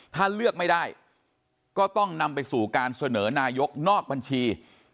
ถ้าเลือกไม่ได้ก็ต้องนำไปสู่การเสนอนายกนอกบัญชี